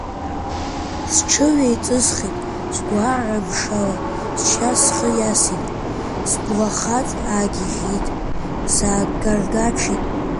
Сҽыҩеиҵысхит, сгәаара амшала сшьа схы иасит, сблахаҵ аагьежьит, саагаргаҽеит.